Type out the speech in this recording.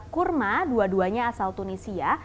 kurma dua duanya asal tunisia